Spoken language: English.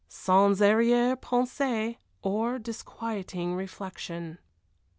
Sans arrière pensée or disquieting reflection.